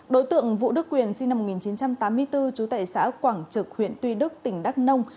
đối tượng vũ đức quyền sinh năm một nghìn chín trăm tám mươi bốn trú tại xã quảng trực huyện tuy đức tỉnh đắk nông